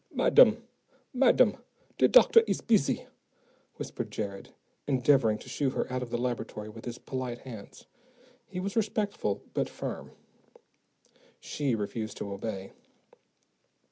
"Madam, madam, de doctor is busy," whispered Jared, endeavoring to shoo her out of the laboratory with his polite hands. He was respectful, but firm. She refused to obey.